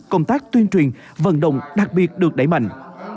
công tác tuyên truyền vận động đặc biệt được đẩy mạnh